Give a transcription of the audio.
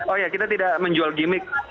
oh ya kita tidak menjual gimmick